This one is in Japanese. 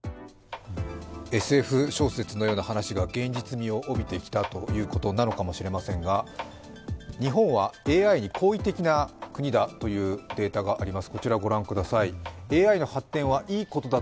ＳＦ小説のような話が現実味を帯びてきたということのようなのかもしれませんが日本はＡＩに好意的な国だというデータがあります。